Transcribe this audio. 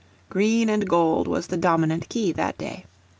Green and gold was the dominant key that day.